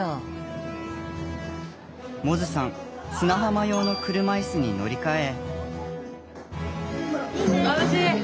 百舌さん砂浜用の車いすに乗り換え。